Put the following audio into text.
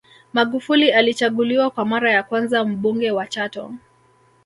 Magufuli alichaguliwa kwa mara ya kwanza Mbunge wa Chato